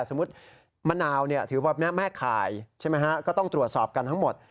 สมมุติมะนาวถือว่าแม่ข่ายใช่ไหมฮะก็ต้องตรวจสอบกันทั้งหมด